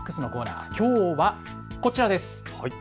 きょうはこちらです。